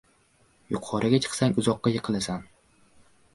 • Yuqoriga chiqsang, uzoqqa yiqilasan.